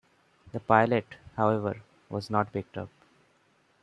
The pilot, however, was not picked up.